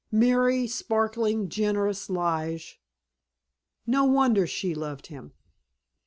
Merry, sparkling, generous Lige! No wonder she loved him!